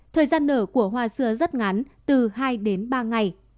thời gian nở của hoa xưa rất ngắn từ hai đến ba ngày